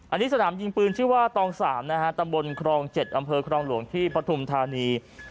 อันนี้สนามยิงปืนชื่อว่าตอง๓นะฮะตำบลครอง๗อำเภอครองหลวงที่ปฐุมธานี